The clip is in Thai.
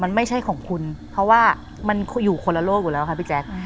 มันไม่ใช่ของคุณเพราะว่ามันอยู่คนละโลกอยู่แล้วค่ะพี่แจ๊ค